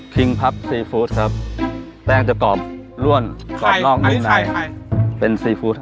คริงพับซีฟู้ดครับแป้งจะกรอบร่วนร่อบนอกนิดนึงเป็นซีฟู้ด